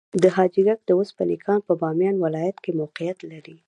د حاجي ګک د وسپنې کان په بامیان ولایت کې موقعیت لري.